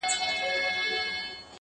چي بنده سي څوک د مځکي د خدایانو -